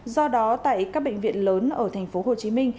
do đó tại các bệnh viện lớn ở tp hcm